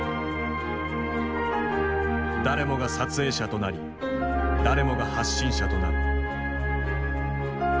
誰もが撮影者となり誰もが発信者となる。